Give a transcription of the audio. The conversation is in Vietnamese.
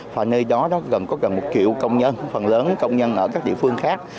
và nơi đó gần có gần một triệu công nhân phần lớn công nhân ở các địa phương khác